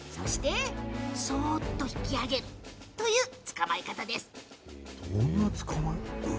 そーっと引き揚げてという捕まえ方です。